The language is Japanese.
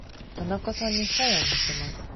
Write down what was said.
田中さんに本を見せます。